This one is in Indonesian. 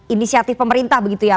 inisiatif pemerintah begitu ya